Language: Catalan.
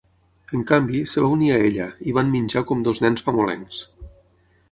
En canvi, es va unir a ella; i van menjar com dos nens famolencs.